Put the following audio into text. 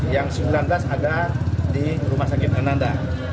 yang sembilan belas ada di rumah sakit ananda